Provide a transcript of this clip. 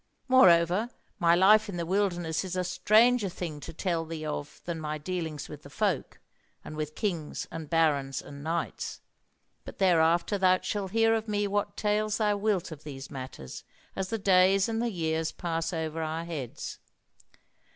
Moreover, my life in the wilderness is a stranger thing to tell thee of than my dealings with the folk, and with Kings and Barons and Knights. But thereafter thou shalt hear of me what tales thou wilt of these matters, as the days and the years pass over our heads.